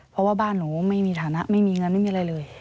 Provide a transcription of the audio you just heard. เพราะว่าบ้านหนูไม่มีฐานะไม่มีเงินไม่มีอะไรเลย